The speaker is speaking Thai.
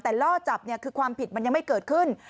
แต่ล่อจับเนี่ยคือความผิดมันยังไม่เกิดขึ้น